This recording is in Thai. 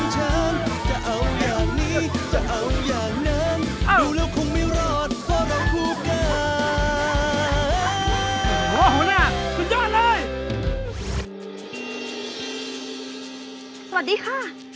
สวัสดีค่ะ